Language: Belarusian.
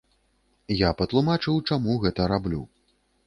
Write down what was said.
Я патлумачыў, чаму гэта раблю.